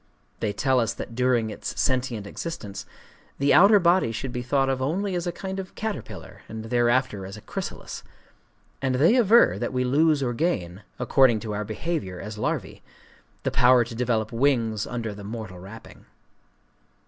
They tell us that during its sentient existence, the outer body should be thought of only as a kind of caterpillar, and thereafter as a chrysalis;—and they aver that we lose or gain, according to our behavior as larvæ, the power to develop wings under the mortal wrapping.